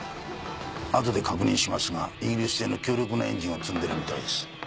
あとで確認しますがイギリス製の強力なエンジンを積んでいるみたいです。